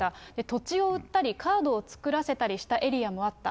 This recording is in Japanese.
土地を売ったりカードを作らせたりしたエリアもあった。